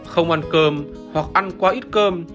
không ăn cơm hoặc ăn quá ít cơm